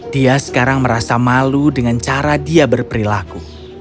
dia sekarang merasa malu dengan cara dia berperilaku